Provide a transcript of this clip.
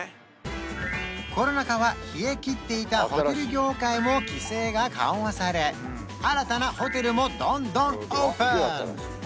コロナ禍は冷えきっていたホテル業界も規制が緩和され新たなホテルもどんどんオープン